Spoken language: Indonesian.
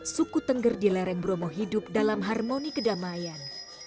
suku tengger di lereng bromo hidup dalam harmoni kedamaian